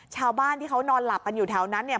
ชาวบ้านที่เขานอนหลับกันอยู่แถวนั้นเนี่ย